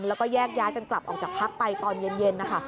แล้วก็แยกย้ายกันกลับออกจากพักไปตอนเย็นนะคะ